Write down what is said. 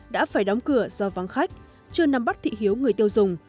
đã phải đóng cửa do vắng khách chưa nắm bắt thị hiếu người tiêu dùng